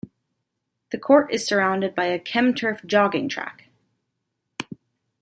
The court is surrounded by a Chem-turf jogging track.